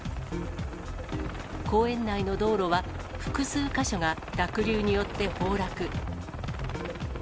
公園内の道路は複数箇所が濁流によって崩落。